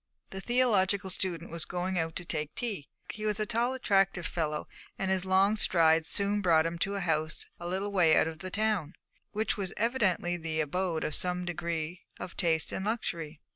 The theological student was going out to take tea. He was a tall, active fellow, and his long strides soon brought him to a house a little way out of the town, which was evidently the abode of some degree of taste and luxury.